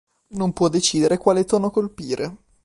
Non può decidere quale tono colpire".